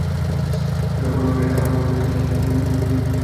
পরে অপহরণকারীরা আবার ফোন করে তিন লাখ টাকা মুক্তিপণ দাবি করে।